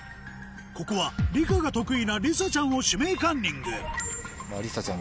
ここは理科が得意なりさちゃんを「指名カンニング」りさちゃん